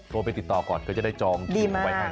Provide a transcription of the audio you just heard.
โทรไปติดต่อก่อนก็จะได้จองกิจกรรมไปให้